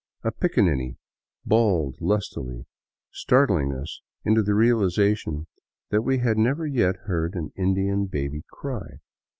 A piccaninny bawled lustily, startling us into the reaHzation that we had never yet heard an Indian baby cry.